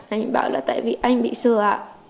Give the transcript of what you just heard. anh bảo là tại vì anh bị sửa